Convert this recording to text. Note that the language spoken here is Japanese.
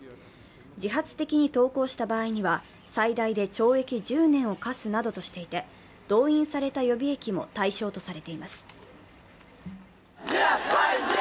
自発的に投降した場合には、最大で懲役１０年を科すなどとしていて、動員された予備役も対象とされています。